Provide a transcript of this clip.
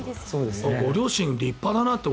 ご両親、立派だなって。